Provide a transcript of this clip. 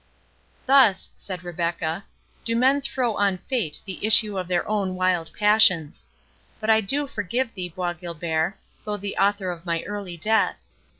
"Thus," said Rebecca, "do men throw on fate the issue of their own wild passions. But I do forgive thee, Bois Guilbert, though the author of my early death.